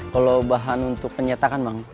kalau bahan untuk penyetakan bang